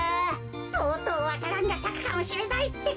とうとうわか蘭がさくかもしれないってか。